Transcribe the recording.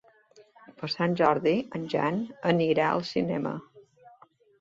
Per Sant Jordi en Jan anirà al cinema.